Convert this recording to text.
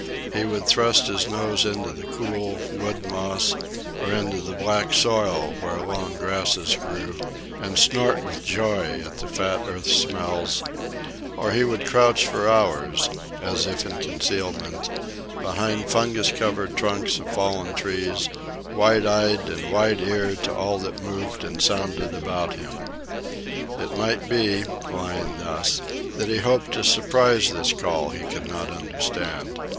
He would thrust his nose into the cool wood moss, or into the black soil where long grasses grew, and snort with joy at the fat earth smells; or he would crouch for hours, as if in concealment, behind fungus covered trunks of fallen trees, wide eyed and wide eared to all that moved and sounded about him. It might be, lying thus, that he hoped to surprise this call he could not understand.